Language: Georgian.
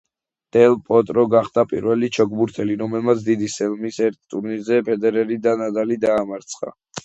დელ პოტრო გახდა პირველი ჩოგბურთელი, რომელმაც დიდი სლემის ერთ ტურნირზე ფედერერი და ნადალი დაამარცხა.